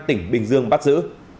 tỉnh bình dương bắt giữ